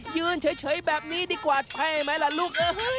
ยืนเฉยแบบนี้ดีกว่าใช่ไหมล่ะลูกเอ้ย